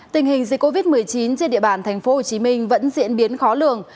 tình hình dịch covid một mươi chín trên địa bàn tp hcm vẫn diễn biến khó lường